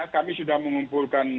kami sudah mengumpulkan